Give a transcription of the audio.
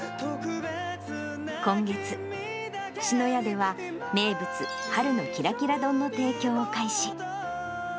今月、志のやでは、名物、春のキラキラ丼の提供を開始。